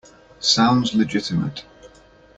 Sounds legitimate.